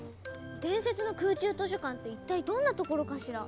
伝説の空中図書館って一体どんな所かしら？